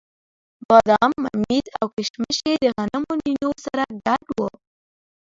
بادام، ممیز او کېشمش یې د غنمو نینو سره ګډ وو.